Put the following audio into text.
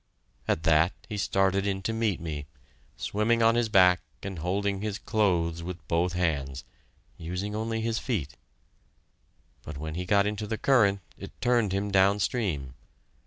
At that, he started in to meet me, swimming on his back and holding his clothes with both hands, using only his feet, but when he got into the current, it turned him downstream.